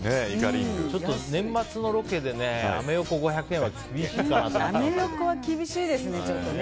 ちょっと年末のロケでアメ横で５００円はアメ横は厳しいですね。